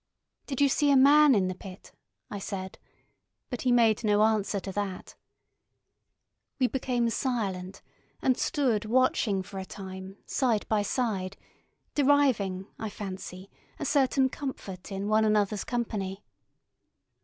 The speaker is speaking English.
"Did you see a man in the pit?" I said; but he made no answer to that. We became silent, and stood watching for a time side by side, deriving, I fancy, a certain comfort in one another's company.